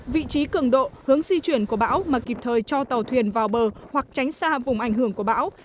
vị trí cường độ hướng di chuyển của bão mà kịp thời cho tàu thuyền vào bờ hoặc tránh xa vùng ảnh hưởng của bão